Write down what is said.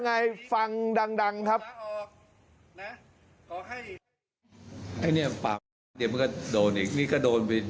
ออกนะขอให้ไอ้เนี้ยปากเดี๋ยวมันก็โดนอีกนี่ก็โดนไป